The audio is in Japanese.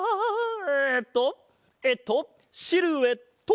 えっとえっとシルエット！